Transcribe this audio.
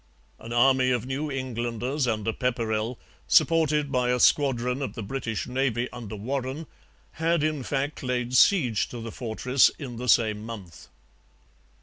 An army of New Englanders under Pepperrell, supported by a squadron of the British Navy under Warren, had in fact laid siege to the fortress in the same month.